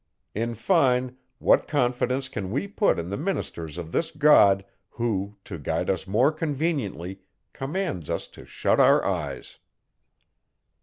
_ In fine, what confidence can we put in the ministers of this God, who, to guide us more conveniently, commands us to shut our eyes?